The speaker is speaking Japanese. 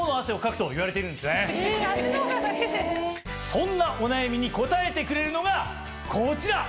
そんなお悩みにこたえてくれるのがこちら！